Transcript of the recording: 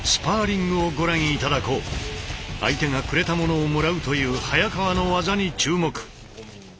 相手がくれたものをもらうという早川の技に注目。